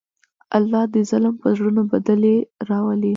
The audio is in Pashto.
الله د ظلم په زړونو بدلې راولي.